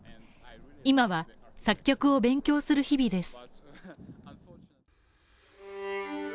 今は作曲を勉強する日々です。